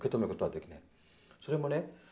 それもね